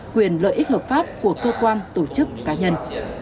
quyền lợi ích hợp pháp của cơ quan tổ chức cá nhân